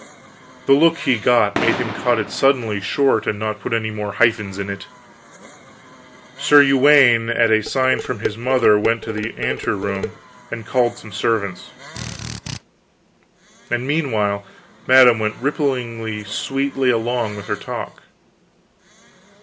The look he got, made him cut it suddenly short and not put any more hyphens in it. Sir Uwaine, at a sign from his mother, went to the anteroom and called some servants, and meanwhile madame went rippling sweetly along with her talk.